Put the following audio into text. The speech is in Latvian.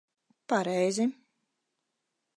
Pareizi.